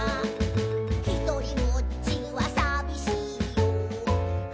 「ひとりぼっちはさびしいよ」